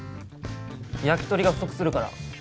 焼き鳥が不足するから。